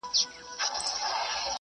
هغه څوک چي قلمان پاکوي روغ وي؟!